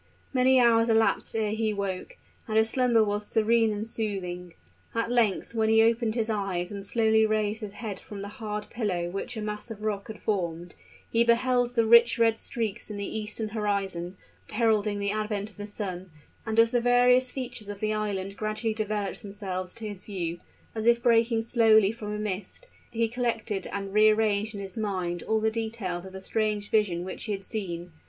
Many hours elapsed ere he woke; and his slumber was serene and soothing. At length when he opened his eyes and slowly raised his head from the hard pillow which a mass of rock had formed, he beheld the rich red streaks in the eastern horizon, heralding the advent of the sun; and as the various features of the island gradually developed themselves to his view, as if breaking slowly from a mist, he collected and rearranged in his mind all the details of the strange vision which he had seen.